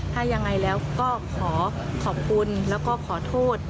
ถ้ายังไงแล้วก็ขอขอบคุณแล้วก็ขอโทษ